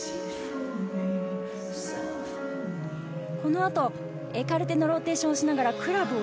この後、エカルテのローテーションをしながらクラブを